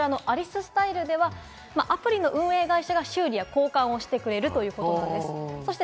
アリススタイルでは運営会社が修理や交換をしてくれるということです。